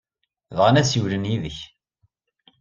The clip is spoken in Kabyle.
Bɣan ad ssiwlen yid-k.